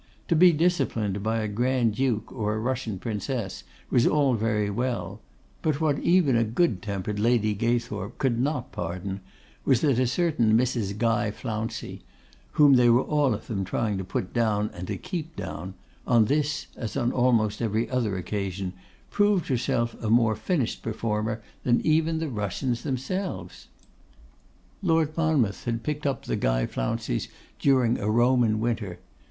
To be disciplined by a Grand duke or a Russian Princess was all very well; but what even good tempered Lady Gaythorp could not pardon was, that a certain Mrs. Guy Flouncey, whom they were all of them trying to put down and to keep down, on this, as almost on every other occasion, proved herself a more finished performer than even the Russians themselves. Lord Monmouth had picked up the Guy Flounceys during a Roman winter.